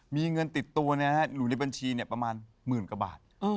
มีเงินติดตัวนะฮะหรือในบัญชีเนี่ยประมาณหมื่นกว่าบาท